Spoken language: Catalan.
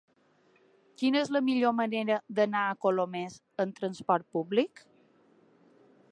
Quina és la millor manera d'anar a Colomers amb trasport públic?